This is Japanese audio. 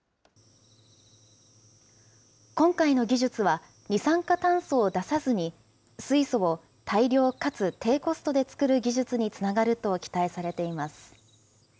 今回の技術は、二酸化炭素を出さずに、水素を大量かつ低コストで作る技術につながると期待されています。